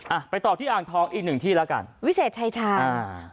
อ่ะไปต่อที่อ่างทองอีกหนึ่งที่แล้วกันวิเศษชายชาอ่า